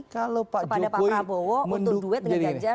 kepada pak prabowo untuk duet dengan ganjar